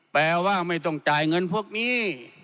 แปลว่าไม่ต้องจ่ายเงินพวกนี้